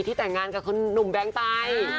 แต่งงานกับคุณหนุ่มแบงค์ไป